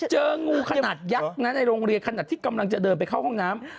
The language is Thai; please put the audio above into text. เจองูขนาดยักษ์นะในโรงเรียนขนาดที่กำลังจะเดินไปเข้าห้องน้ำ